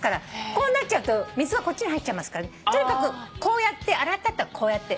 こうなっちゃうと水がこっちに入っちゃいますからとにかく洗った後はこうやって。